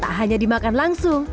tak hanya dimakan langsung